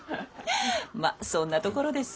まそんなところです。